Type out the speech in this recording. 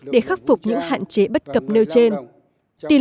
để khắc phục những hạn chế bất cập nêu trên